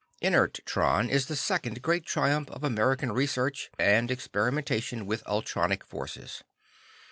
Inertron is the second great triumph of American research and experimentation with ultronic forces.